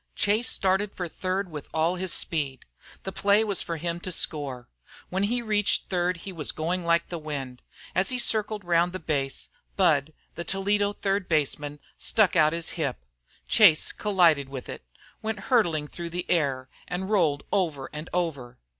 Chase started for third with all his speed. The play was for him to score. When he reached third he was going like the wind. As he circled round the base, Budd, the Toledo third baseman, stuck out his hip. Chase collided with it, went hurtling through the air, and rolled over and over.